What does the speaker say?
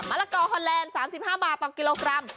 ละกอฮอนแลนด์๓๕บาทต่อกิโลกรัม